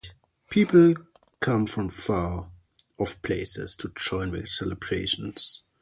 People come from far off places to join the celebrations.